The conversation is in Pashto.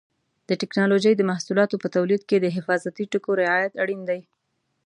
د ټېکنالوجۍ د محصولاتو په تولید کې د حفاظتي ټکو رعایت اړین دی.